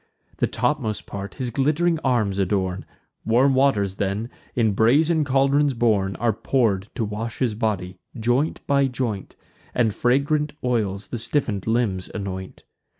The topmost part his glitt'ring arms adorn; Warm waters, then, in brazen caldrons borne, Are pour'd to wash his body, joint by joint, And fragrant oils the stiffen'd limbs anoint.